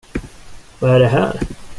Vad är det här?